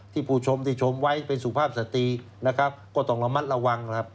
ผู้ชมที่ชมไว้เป็นสุภาพสตรีนะครับก็ต้องระมัดระวังครับ